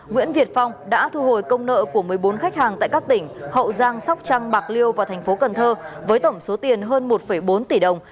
nguyễn việt phong đã thu hồi công nợ của một mươi bốn khách hàng tại các tỉnh hậu giang sóc trăng bạc liêu và tp cn với tổng số tiền hơn một bốn tỷ đồng